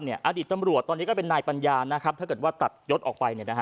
อดีตตำรวจตอนนี้ก็เป็นนายปัญญานะครับถ้าเกิดว่าตัดยศออกไป